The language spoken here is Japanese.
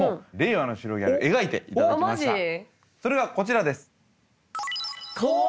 それがこちらです。